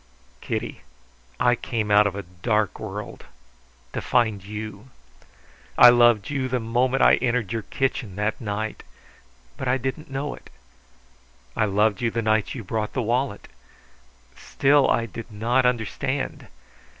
"Kitty, I came out of a dark world to find you. I loved you the moment I entered your kitchen that night. But I did not know it. I loved you the night you brought the wallet. Still I did not understand.